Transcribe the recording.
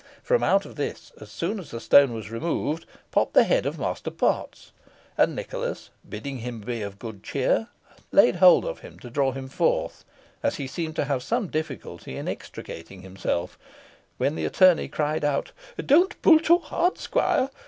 From out of this, as soon as the stone was removed, popped the head of Master Potts, and Nicholas, bidding him be of good cheer, laid hold of him to draw him forth, as he seemed to have some difficulty in extricating himself, when the attorney cried out "Do not pull so hard, squire!